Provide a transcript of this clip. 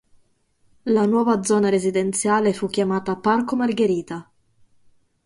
La nuova zona residenziale fu chiamata "Parco Margherita".